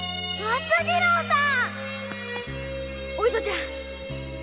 お糸ちゃん